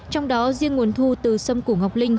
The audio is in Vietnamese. trong đó riêng nguồn thu từ xâm củ ngọc linh